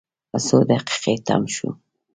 څو دقیقې تم شوو.